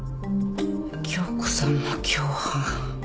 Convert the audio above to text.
杏子さんも共犯。